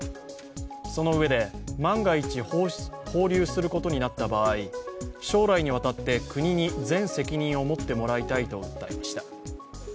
そのうえで、万が一、放流することになった場合、将来にわたって国に全責任を持ってもらいたいと訴えました。